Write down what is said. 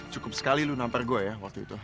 cukup sekali lo nganter gue ya waktu itu